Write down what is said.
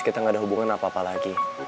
kita gak ada hubungan apa apa lagi